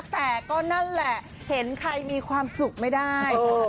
แต่ก็นั่นแหละเห็นใครมีความสุขไม่ได้